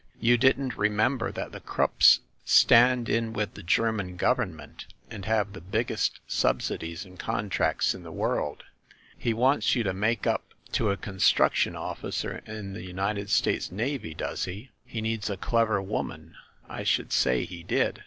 "You didn't remember that the Krupps stand in with the German government and have the biggest subsidies and contracts in the world? He wants you to make up to a construction officer in the United States navy, does he? He needs a clever woman! I should say he did!